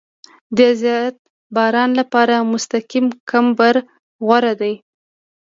د زیات باران لپاره مستقیم کمبر غوره دی